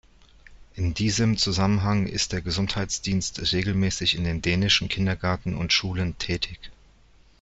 In diesem Zusammenhang ist der Gesundheitsdienst regelmäßig in den dänischen Kindergärten und Schulen tätig.